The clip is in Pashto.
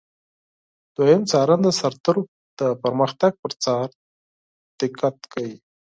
دوهم څارن د سرتیرو د پرمختګ پر څار دقت کوي.